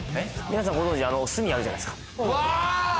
皆さんご存じ炭あるじゃないですか